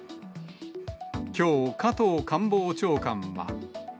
きょう、加藤官房長官は。